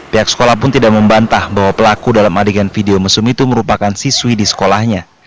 pihak sekolah pun tidak membantah bahwa pelaku dalam adegan video mesum itu merupakan siswi di sekolahnya